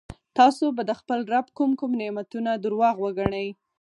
تاسو به د خپل رب کوم کوم نعمتونه درواغ وګڼئ.